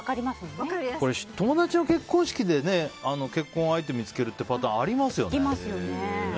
友達の結婚式で結婚相手見つけるパターンありますよね。